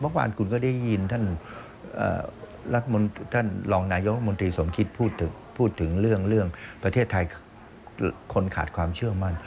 เมื่อวานคุณก็ได้ยินท่านรองนายกรัฐมนตรีสมคิดพูดถึงเรื่องประเทศไทยคนขาดความเชื่อมั่น